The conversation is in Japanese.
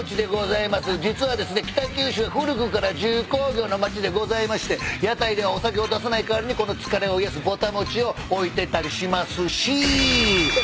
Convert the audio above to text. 実はですね北九州古くから重工業の町でございまして屋台ではお酒を出さない代わりにこの疲れを癒やすぼた餅を置いてたりしますし。